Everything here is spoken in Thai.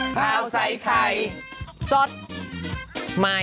เท่าที่ที่จะให้ผู้หญิงคับมือ